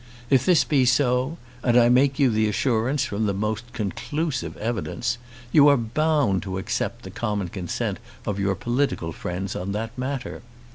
If this be so, and I make you the assurance from most conclusive evidence, you are bound to accept the common consent of your political friends on that matter.